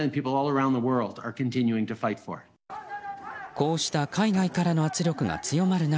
こうした海外からの圧力が強まる中